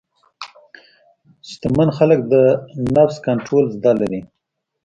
شتمن خلک د نفس کنټرول زده لري.